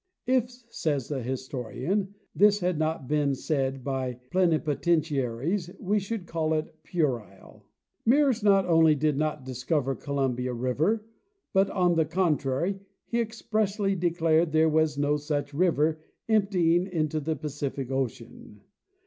"If," says the historian, " this had not been said by plenipotentiaries we should call it puerile." Mears not only did not discover Columbia river, but, on the contrary, he expressly declared there was no such river emptying into the Pacific ocean.